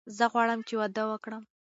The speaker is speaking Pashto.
زه غواړم چې واده وکړم.